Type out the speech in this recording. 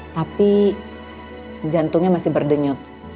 tapi jantungnya masih berdenyut